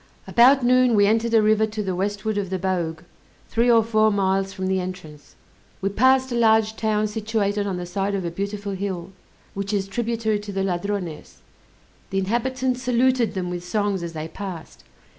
About noon we entered a river to the westward of the Bogue, three or four miles from the entrance. We passed a large town situated on the side of a beautiful hill, which is tributary to the Ladrones; the inhabitants saluted them with songs as they passed.